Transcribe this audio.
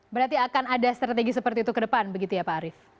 berarti akan ada strategi seperti itu ke depan begitu ya pak arief